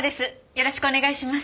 よろしくお願いします。